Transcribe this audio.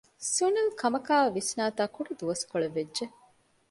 ސުނިލް ކަމަކާއި ވިސްނާތާކުޑަ ދުވަސްކޮޅެއް ވެއްޖެ